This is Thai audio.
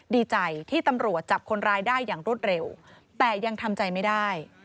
ดีใจที่ตำรวจจับคนร้ายได้อย่างรวดเร็วแต่ยังทำใจไม่ได้